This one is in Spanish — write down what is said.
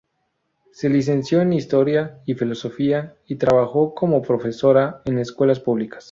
Se licenció en Historia y Filosofía, y trabajó como profesora en escuelas públicas.